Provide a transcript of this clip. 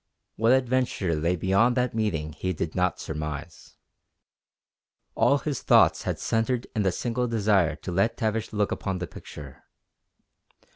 What adventure lay beyond that meeting he did not surmise. All his thoughts had centred in the single desire to let Tavish look upon the picture.